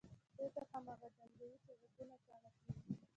دوی تل هماغه ډنګوي چې غوږونه کاڼه کړي دي.